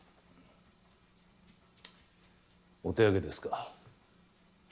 お手上げですか？